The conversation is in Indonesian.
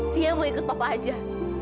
fia mau ikut papa aja